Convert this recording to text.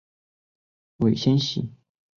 尾纤细。